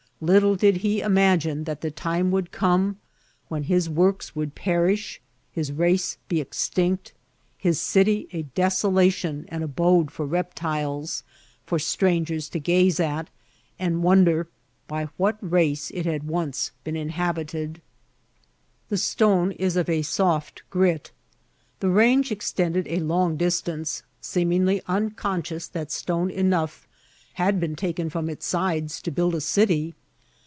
Little did he imagine that the time would come when his works would perish, his race be extinct, his city a desolation and abode tot reptiles, for strangers to gaae at and won^ der by what race it had once been inhabited. The stone is of a soft grit. The range extended a long distance, seemingly unconscious that stone enough had been taken from its sides to build a city.